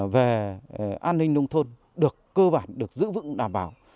về an ninh nông thôn được cơ bản được giữ vững đảm bảo